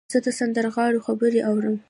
زه د سندرغاړو خبرې اورم.